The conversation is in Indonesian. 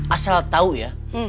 asal tau ya